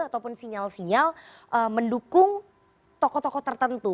ataupun sinyal sinyal mendukung tokoh tokoh tertentu